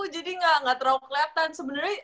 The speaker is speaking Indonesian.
jadi gak terlalu keliatan sebenernya